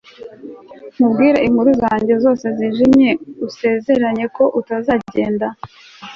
nkubwire inkuru zanjye zose zijimye, usezeranye ko utazagenda